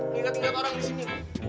gila tinggal orang di sini